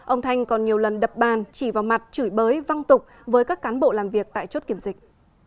ông thanh còn nhiều lần đập bàn chỉ vào mặt chửi bới văng tục với các cán bộ làm việc tại chốt kiểm dịch